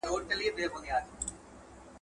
هغه څه چي په متن کي دي باید پلي سي.